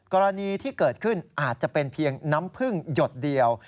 กรณีที่เกิดขึ้นอาจจะเป็นเพียงน้ำพึ่งหยดเดียว